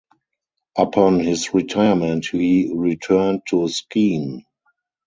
Upon his retirement he returned to Skien.